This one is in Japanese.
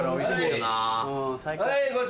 はい。